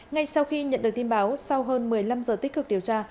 ngay sau khi nhận được tin báo sau hơn một mươi năm giờ tích cực điều tra